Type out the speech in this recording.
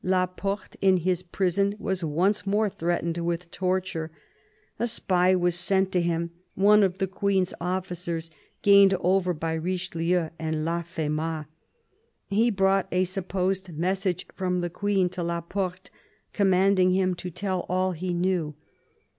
La Porte in his prison was once more threatened with torture. A spy was sent to him— one of the Queen's officers, gained over by Richelieu and Laffemas. He brought a supposed message from the Queen to La Porte, commanding him to tell all he knew.